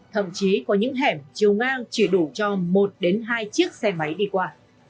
thậm chí có những hẻm chiều ngang chỉ đủ cho một đến hai chiếc xe máy đi qua